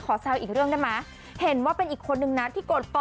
กดอย่างวัยจริงเห็นพี่แอนทองผสมเจ้าหญิงแห่งโมงการบันเทิงไทยวัยที่สุดค่ะ